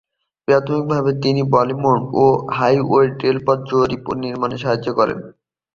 প্রাথমিকভাবে তিনি বাল্টিমোর ও ওহাইও রেলপথ জরিপ ও নির্মাণে সাহায্য করেন।